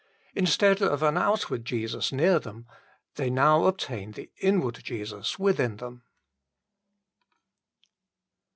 Instead of an outward Jesus near them, they now obtained the inward Jesus within them.